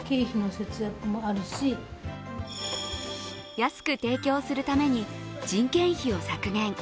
安く提供するために人件費を削減。